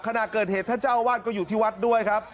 ขณะเกิดเหตุท่านเจ้าอาวาสก็อยู่ที่วัดด้วยครับ